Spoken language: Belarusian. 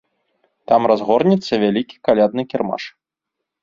Там разгорнецца вялікі калядны кірмаш.